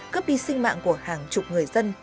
cướp đi sinh mạng của hàng chục người dân